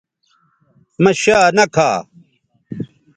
مہ شا نہ کھا